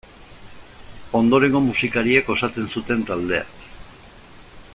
Ondorengo musikariek osatzen zuten taldea.